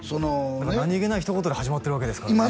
何げないひと言で始まってるわけですからね